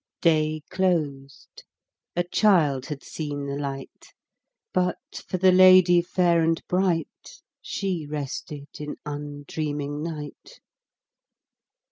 Day closed; a child had seen the light; But, for the lady fair and bright, She rested in undreaming night.